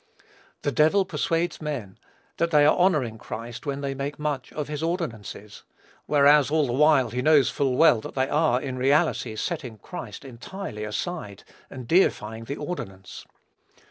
The devil persuades men, that they are honoring Christ when they make much of his ordinances; whereas, all the while he knows full well that they are, in reality, setting Christ entirely aside, and deifying the ordinance.